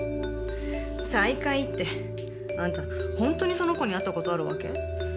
再会ってあんたほんとにその子に会った事あるわけ？